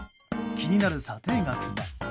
気になる査定額は。